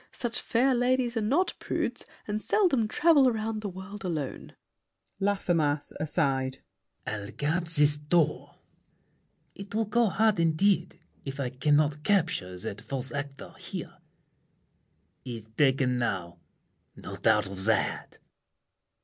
Such fair ladies are not prudes, And seldom travel round the world alone. LAFFEMAS (aside). I'll guard this door. It will go hard, indeed, If I can't capture that false actor here. He's taken now—no doubt of that!